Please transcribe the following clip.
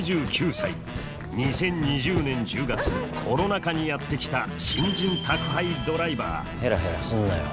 ２０２０年１０月コロナ禍にやって来た新人宅配ドライバーヘラヘラすんなよ。